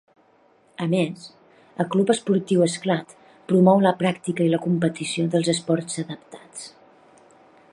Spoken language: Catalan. A més, el Club Esportiu Esclat promou la pràctica i la competició dels esports adaptats.